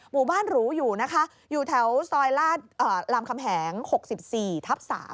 หมู่บ้านหรูอยู่นะคะอยู่แถวซอยลาดรามคำแหง๖๔ทับ๓